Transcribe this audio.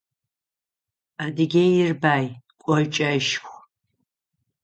Адыгеир бай, кӏочӏэшху.